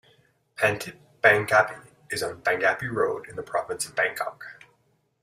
Pantip Bangkapi is on Bangkapi Road in the province of Bangkok.